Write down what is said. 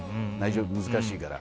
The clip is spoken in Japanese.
難しいから。